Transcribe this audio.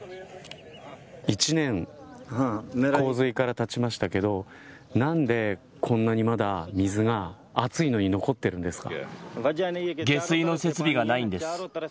１年、洪水からたちましたけどなんでこんなにまだ水が暑いのに残ってるんですか。